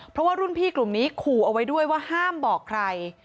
เพราะว่ารุ่นพี่กลุ่มนี้ขู่เอาไว้ด้วยว่าห้ามบอกใคร